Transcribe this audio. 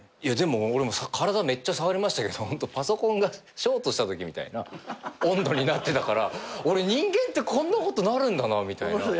いやでも俺も体めっちゃ触りましたけどホントパソコンがショートしたときみたいな温度になってたから俺人間ってこんなことなるんだなみたいな。